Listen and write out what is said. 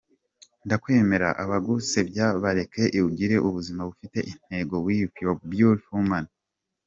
ndakwemera abagusebya bareke ugire ubuza bufite intego with yr beatful women.